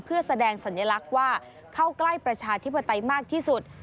เพื่อแสดงสัญลักษณ์ว่าเข้าใกล้ประชาธิปไตยมากที่สุด